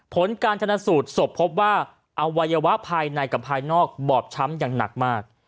ผลการชนะสูตรศพพบว่าอวัยวะภายในกับภายนอกบอบช้ำอย่างหนักมาก